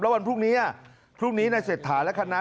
แล้ววันพรุ่งนี้ในเศรษฐานและคณะ